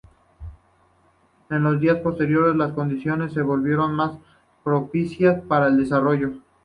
En los días posteriores, las condiciones se volvieron más propicias para el desarrollo.